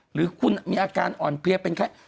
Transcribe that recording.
หรือคุณมีอาการอ่อนเพลียเป็นไข้